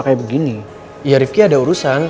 kayak begini ya rifki ada urusan